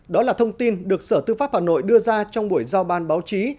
đó là thông tin được sở tư pháp hà nội đưa ra trong buổi giao ban báo chí